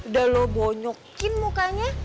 dan lo bonyokin mukanya